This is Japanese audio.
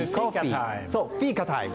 フィーカタイム！